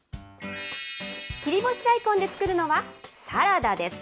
切り干し大根で作るのは、サラダです。